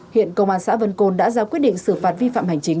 hiện công an xã vân côn đã ra quyết định xử phạt vi phạm hành chính